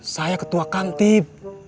saya ketua kantip